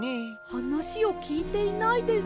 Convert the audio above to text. はなしをきいていないです。